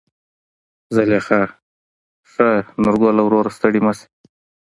زليخا: ښا نورګله وروره ستړى مشې.